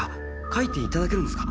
書いていただけるんですか？